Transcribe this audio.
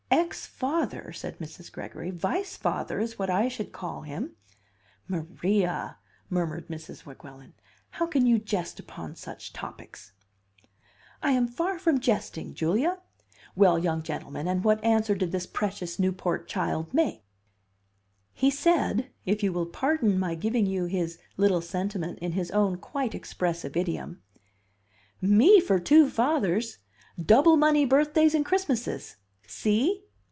"Ex father!" said Mrs. Gregory. "Vice father is what I should call him." "Maria!" murmured Mrs. Weguelin, "how can you jest upon such topics?" "I am far from jesting, Julia. Well, young gentleman, and what answer did this precious Newport child make?" "He said (if you will pardon my giving you his little sentiment in his own quite expressive idiom), 'Me for two fathers! Double money birthdays and Christmases. See?